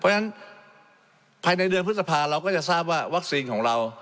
เพราะฉะนั้นภายในเดือนพฤษภาเราก็จะทราบว่าวัคซีนของเรา